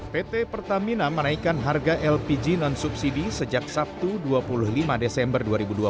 pt pertamina menaikkan harga lpg non subsidi sejak sabtu dua puluh lima desember dua ribu dua puluh